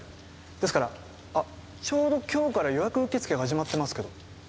ですからあちょうど今日から予約受け付け始まってますけど。